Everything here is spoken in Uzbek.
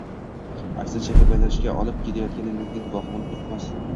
aksincha, ko‘paytirishga olib kelayotganining guvohi bo‘lib turibmiz.